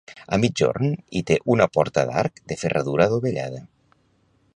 A migjorn hi té una porta d'arc de ferradura adovellada.